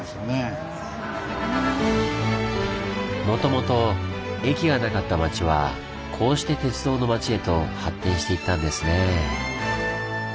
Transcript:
もともと駅がなかった町はこうして鉄道の町へと発展していったんですねぇ。